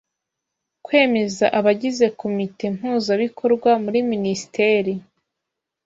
Kwemeza abagize Komite Mpuzabikorwa muri Minisiteri;